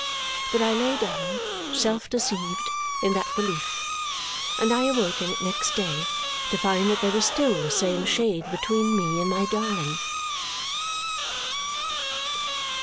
But I lay down, self deceived, in that belief. And I awoke in it next day to find that there was still the same shade between me and my darling.